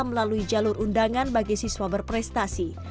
melalui jalur undangan bagi siswa berprestasi